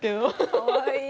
かわいい。